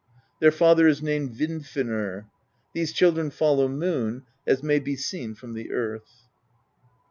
Their father is named Vidfinnr. These children follow Moon, as may be seen from the earth."